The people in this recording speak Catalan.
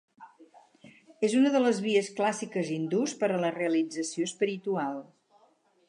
És una de les vies clàssiques hindús per a la realització espiritual.